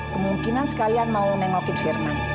kemungkinan sekalian mau nengokin firman